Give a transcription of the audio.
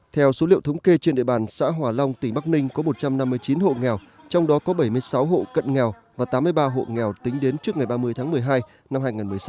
theo số liệu thống kê trên địa bàn xã hòa long tỉnh bắc ninh có một trăm năm mươi chín hộ nghèo trong đó có bảy mươi sáu hộ cận nghèo và tám mươi ba hộ nghèo tính đến trước ngày ba mươi tháng một mươi hai năm hai nghìn một mươi sáu